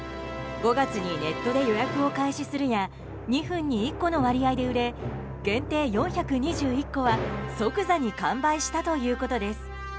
５月にネットで予約を開始するや２分に１個の割合で売れ限定４２１個は即座に完売したということです。